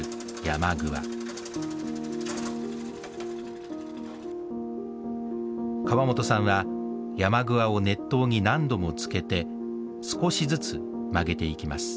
ヤマグワ川本さんはヤマグワを熱湯に何度もつけて少しずつ曲げていきます